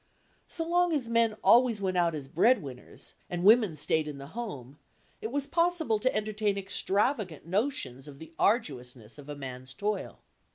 So long as men always went out as "bread winners" and women stayed in the home, it was possible to entertain extravagant notions of the arduousness of a man's toil.